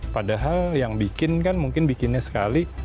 padahal yang bikin kan mungkin bikinnya sekali